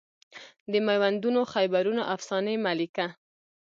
د میوندونو خیبرونو افسانې مه لیکه